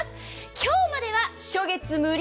今日までは初月無料。